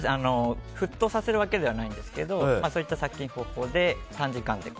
沸騰させるわけではないんですがそういった殺菌方法で短時間で。